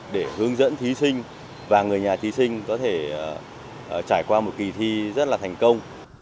để hướng dẫn thí sinh và người nhà thí sinh có thể trải qua một kỳ thi rất là thành công